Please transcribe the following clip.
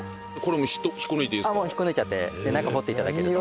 もう引っこ抜いちゃって中掘って頂ければ。